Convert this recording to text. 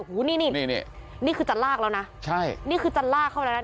โอ้โหนี่นี่นี่คือจะลากแล้วนะใช่นี่คือจะลากเขาแล้วนะ